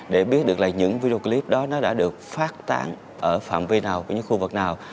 để biết được là những video clip đó nó đã được phát tán ở phạm vi nào của những khu vực nào